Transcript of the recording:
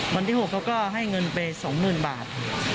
วันที่๖เขาก็ให้เงินไป๒๐๐๐บาท